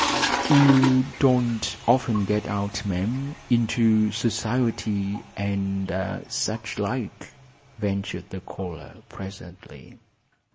"You don't often get out, ma'am; into society, and such like," ventured the caller, presently.